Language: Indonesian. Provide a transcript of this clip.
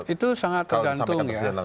itu sangat tergantung ya